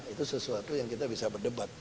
itu sesuatu yang kita bisa berdebat